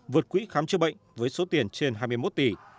vượt quỹ khám chữa bệnh với số tiền trên hai mươi một tỷ